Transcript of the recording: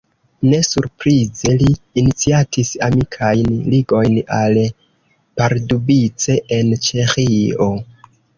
Ne surprize li iniciatis amikajn ligojn al Pardubice en Ĉeĥio.